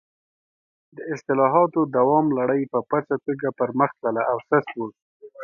د اصلاحاتو دوام لړۍ په پڅه توګه پر مخ تلله او سست و.